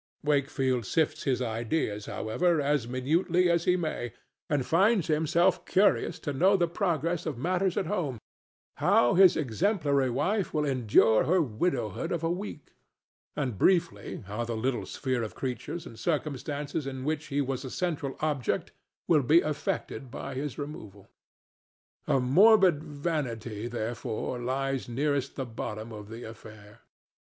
Wakefield sifts his ideas, however, as minutely as he may, and finds himself curious to know the progress of matters at home—how his exemplary wife will endure her widowhood of a week, and, briefly, how the little sphere of creatures and circumstances in which he was a central object will be affected by his removal. A morbid vanity, therefore, lies nearest the bottom of the affair.